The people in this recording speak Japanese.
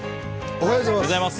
おはようございます。